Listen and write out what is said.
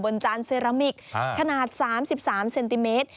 จานเซรามิกขนาด๓๓เซนติเมตร